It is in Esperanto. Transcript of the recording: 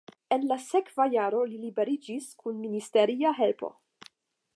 En la sekva jaro li liberiĝis kun ministeria helpo.